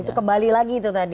itu kembali lagi itu tadi